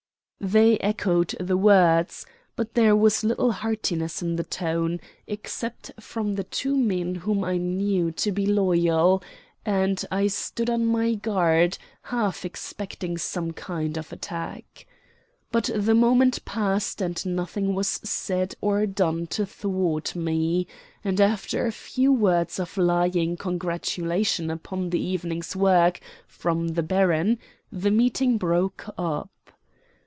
They echoed the words, but there was little heartiness in the tone, except from the two men whom I knew to be loyal; and I stood on my guard, half expecting some kind of attack. But the moment passed and nothing was said or done to thwart me; and after a few words of lying congratulation upon the evening's work from the baron, the meeting broke up.